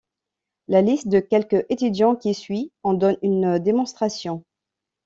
La liste de quelques étudiants qui suit en donne une démonstration.